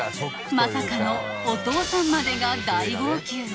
まさかのお父さんまでが大号泣